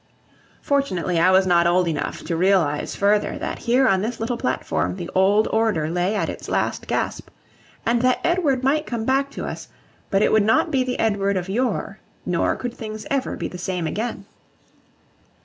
Fortunately I was not old enough to realise, further, that here on this little platform the old order lay at its last gasp, and that Edward might come back to us, but it would not be the Edward of yore, nor could things ever be the same again.